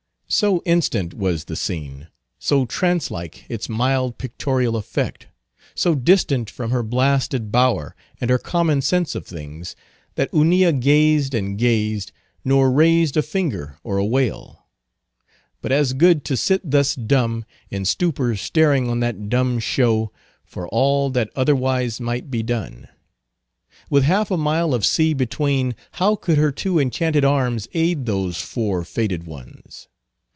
So instant was the scene, so trance like its mild pictorial effect, so distant from her blasted bower and her common sense of things, that Hunilla gazed and gazed, nor raised a finger or a wail. But as good to sit thus dumb, in stupor staring on that dumb show, for all that otherwise might be done. With half a mile of sea between, how could her two enchanted arms aid those four fated ones?